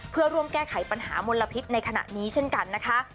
เพื่อร่วมแก้ไขปัญหามลพิษในขณะนี้เช่นกันนะคะ